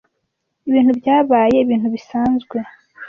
ibintu byabaye ibintu bisanzwe